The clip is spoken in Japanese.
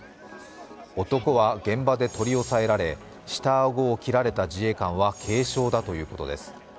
男は現場で取り押さえられ下顎を切られた自衛官は軽傷だということです。